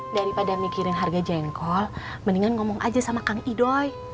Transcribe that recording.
daripada mikirin harga jengkol mendingan ngomong aja sama kang idoy